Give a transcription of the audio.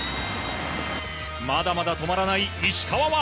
まだまだ止まらない石川は。